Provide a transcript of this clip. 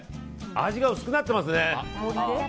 味が薄くなってますね。